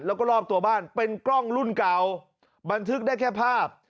แล้วก็รอบตัวบ้านเป็นกล้องรุ่นเก่าบันทึกได้แค่ภาพ